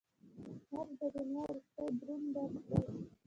مرګ د دنیا وروستی دروند درس دی.